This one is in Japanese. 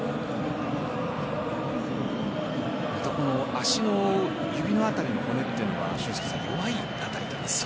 足の指の辺りの骨というのは弱い辺りと聞きますね。